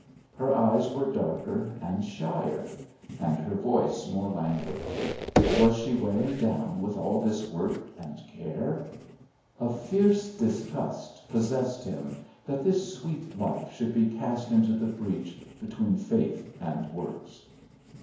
Her eyes were darker and shyer, and her voice more languid. Was she wearing down with all this work and care? A fierce disgust possessed him that this sweet life should be cast into the breach between faith and works.